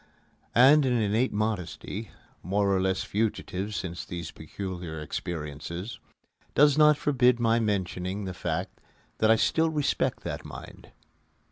And an innate modesty (more or less fugitive since these peculiar experiences) does not forbid my mentioning the fact that I still respect that mind.